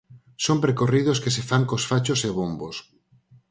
Son percorridos que se fan cos fachos e bombos.